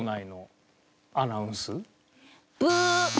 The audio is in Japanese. ブー！